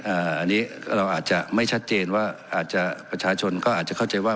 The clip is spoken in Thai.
อันนี้เราอาจจะไม่ชัดเจนว่าอาจจะประชาชนก็อาจจะเข้าใจว่า